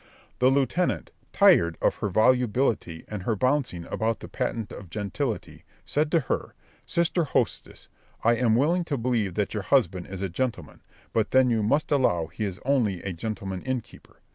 The lieutenant, tired of her volubility and her bouncing about the patent of gentility, said to her, "Sister hostess, I am willing to believe that your husband is a gentleman, but then you must allow he is only a gentleman innkeeper."